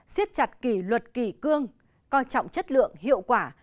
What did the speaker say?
xiết chặt kỷ luật kỳ cương coi trọng chất lượng hiệu quả